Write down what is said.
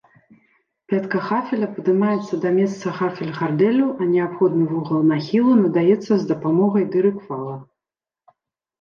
Пятка гафеля падымаецца да месца гафель-гардэллю, а неабходны вугал нахілу надаецца з дапамогай дырык-фала.